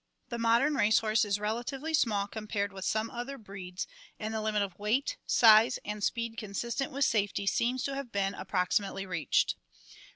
The modern race horse is relatively small compared with some other breeds, and the limit of weight, size, and speed consistent with safety seems to have been approximately reached.